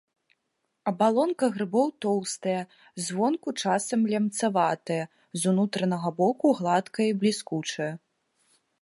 Абалонка грыбоў тоўстая, звонку часам лямцаватая, з унутранага боку гладкая і бліскучая.